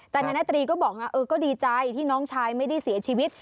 แต่นายนาตรีก็บอกว่าก็ดีใจที่น้องชายไม่ได้เสียชีวิต